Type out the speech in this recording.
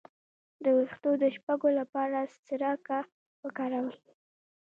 د ویښتو د شپږو لپاره سرکه وکاروئ